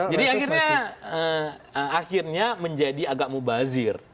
jadi akhirnya menjadi agak mubazir